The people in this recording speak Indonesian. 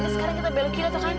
sekarang kita belok kiri atau kanan